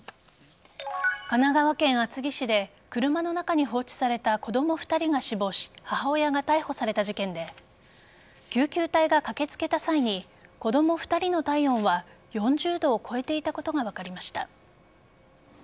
神奈川県厚木市で車の中に放置された子供２人が死亡し母親が逮捕された事件で救急隊が駆けつけた際に子供２人の体温は４０度を超えていたことが分かりました。